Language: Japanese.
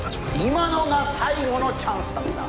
今のが最後のチャンスだった！